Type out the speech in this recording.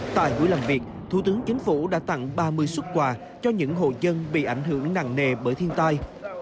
tại buổi làm việc thủ tướng chính phủ đã tặng ba mươi xuất quà cho những hộ dân bị ảnh hưởng nặng nề bởi thiên tai